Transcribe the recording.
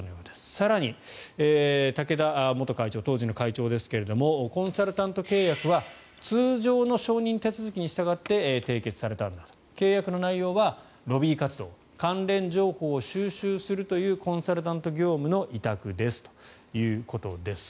更に、竹田元会長当時の会長ですがコンサルタント契約は通常の承認手続きに従って締結されたんだと契約の内容は、ロビー活動関連情報を収集するというコンサルタント業務の委託ですということです。